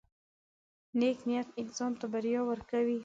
• نیک نیت انسان ته بریا ورکوي.